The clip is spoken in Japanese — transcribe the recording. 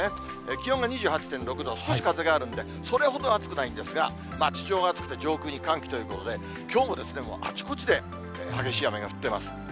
気温が２８．６度、少し風があるんで、それほど暑くないんですが、地上は暑くて上空に寒気ということで、きょうもあちこちで激しい雨が降ってます。